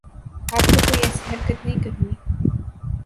آپ کو کوئی ایسی حرکت نہیں کرنی